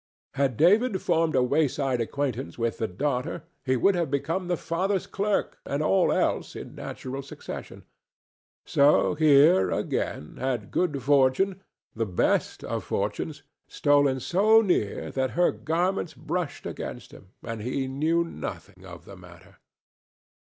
Had David formed a wayside acquaintance with the daughter, he would have become the father's clerk, and all else in natural succession. So here, again, had good fortune—the best of fortunes—stolen so near that her garments brushed against him, and he knew nothing of the matter.